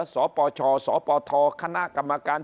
สปชสปธคกรรมการ